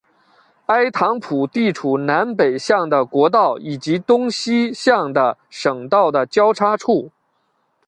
埃唐普地处南北向的国道以及东西向的省道的交叉处。